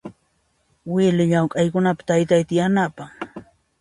Wily llamk'aykunapi taytayta yanapan.